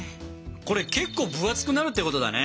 これ結構分厚くなるってことだね。